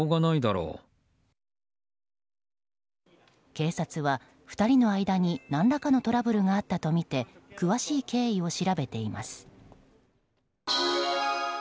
警察は、２人の間に何らかのトラブルがあったとみて詳しい経緯を調べています。